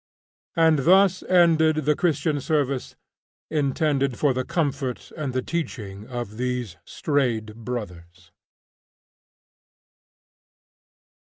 And thus ended the Christian service, intended for the comfort and the teaching of these strayed brothers.